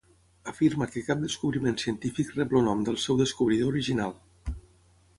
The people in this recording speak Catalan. Afirma que cap descobriment científic rep el nom del seu descobridor original.